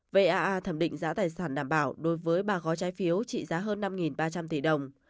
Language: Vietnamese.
vaa thẩm định giá tài sản đảm bảo đối với ba gói trái phiếu trị giá hơn năm ba trăm linh tỷ đồng